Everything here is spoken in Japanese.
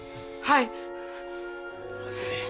はい！